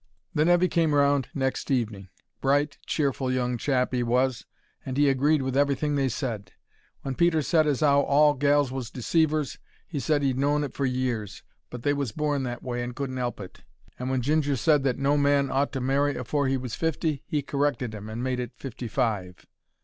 The nevy came round next evening. Bright, cheerful young chap 'e was, and he agreed with everything they said. When Peter said as 'ow all gals was deceivers, he said he'd known it for years, but they was born that way and couldn't 'elp it; and when Ginger said that no man ought to marry afore he was fifty, he corrected 'im and made it fifty five.